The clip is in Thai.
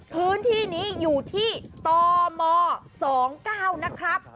พื้นที่นี้อยู่ที่ตม๒๙นะครับ